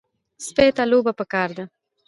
سپي ته لوبه پکار ده.